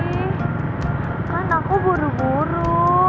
kan aku buru buru